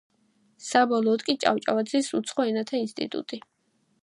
საბოლოოდ კი ჭავჭავაძის უცხო ენათა ინსტიტუტი.